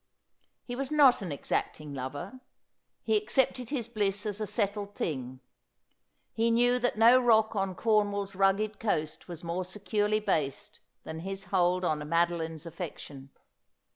He was not an exacting lover. He accepted his bliss as a settled thing ; he knew that no rock on CoinvvalFs rugged coast was more securely based than his hold on Madoline's affection.